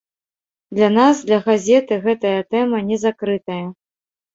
Для нас, для газеты гэтая тэма не закрытая.